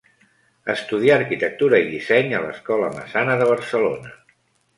Estudià arquitectura i disseny a l'Escola Massana de Barcelona.